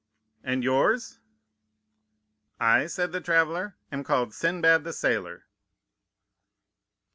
'And yours?' "'I,' said the traveller, 'am called Sinbad the Sailor.